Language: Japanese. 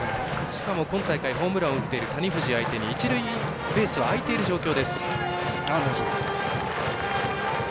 しかも今大会ホームラン打っている谷藤相手に一塁ベースはあいている状況。